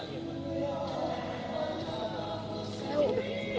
kenapa dia bisa